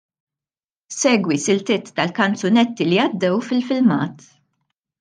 Segwi siltiet tal-kanzunetti li għaddew fil-filmat.